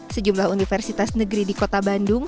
sejumlah universitas negeri di kota bandung